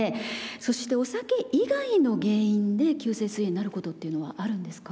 そしてお酒以外の原因で急性すい炎になることっていうのはあるんですか？